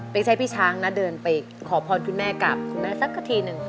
ไม่ใช่พี่ช้างนะเดินไปขอพรคุณแม่กับคุณแม่สักทีหนึ่ง